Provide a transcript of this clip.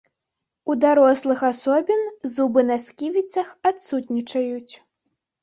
У дарослых асобін зубы на сківіцах адсутнічаюць.